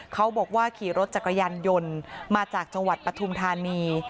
เขาบอกว่าขี่รถจักรยานยนต์มาจากจังหวัดปฐุมธานี